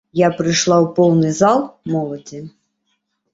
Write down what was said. Я прыйшла ў поўны зал моладзі.